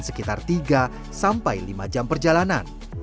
sekitar tiga sampai lima jam perjalanan